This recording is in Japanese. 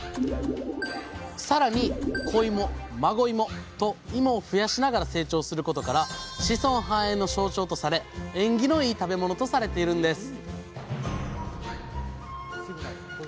さらに子いも孫いもといもを増やしながら成長することから子孫繁栄の象徴とされ縁起のいい食べ物とされているんです！